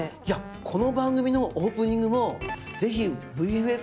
いやこの番組のオープニングも是非ＶＦＸで。